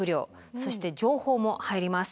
そして情報も入ります。